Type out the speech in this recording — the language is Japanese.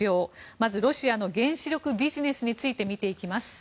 まず、ロシアの原子力ビジネスについて見ていきます。